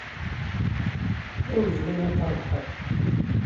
D awezɣi ad t-trebḥeḍ.